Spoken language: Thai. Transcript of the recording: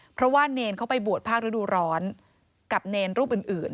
เพราะว่าเนรเขาไปบวชภาคฤดูร้อนกับเนรรูปอื่น